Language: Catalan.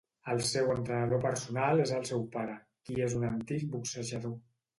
El seu entrenador personal és el seu pare, qui és un antic boxejador.